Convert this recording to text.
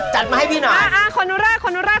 จัดมาให้พี่หน่อยคนนั่วแรก